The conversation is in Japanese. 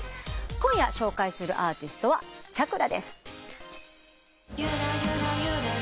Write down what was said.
今夜紹介するアーティストはちゃくらです。